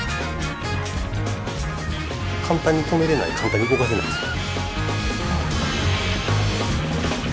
簡単に止めれない簡単に動かせないんですよ。